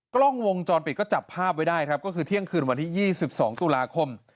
กล้องวงจรปิดก็จับภาพไว้ได้ครับก็คือเที่ยงคืนวันที่๒๒ตุลาคม